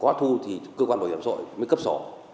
có thu thì cơ quan bảo hiểm xã hội mới cấp sổ